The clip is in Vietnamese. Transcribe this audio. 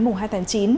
mùa hai tháng chín